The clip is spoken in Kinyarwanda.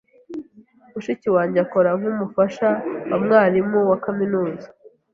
Mushiki wanjye akora nk'umufasha wa mwarimu wa kaminuza.